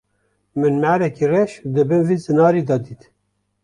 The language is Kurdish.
Min marekî reş di bin vî zinarî de dît.